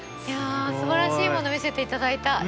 いやすばらしいもの見せていただいた。